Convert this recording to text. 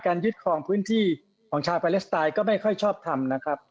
ยึดคลองพื้นที่ของชาวปาเลสไตน์ก็ไม่ค่อยชอบทำนะครับ